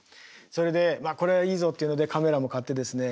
それでこれはいいぞっていうのでカメラも買ってですね